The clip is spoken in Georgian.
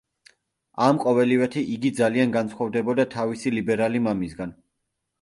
ამ ყოველივეთი იგი ძალიან განსხვავდებოდა თავისი ლიბერალი მამისაგან.